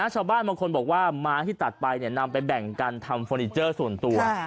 ชาวบ้านบางคนบอกว่าม้าที่ตัดไปนำไปแบ่งกันทำเฟอร์นิเจอร์ส่วนตัว